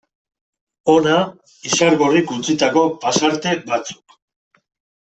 Hona Izargorrik utzitako pasarte batzuk.